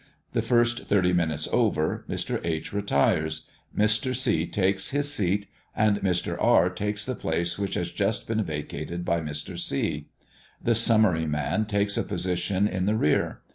The first thirty minutes over, Mr. H. retires; Mr. C. takes his seat, and Mr. R. takes the place which has just been vacated by Mr. C. The summary man takes a position in the rear.